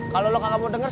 kalau lo gak mau denger